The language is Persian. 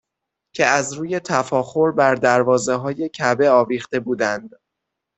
که از روی تفاخر بر دروازه های کعبه آویخته بودند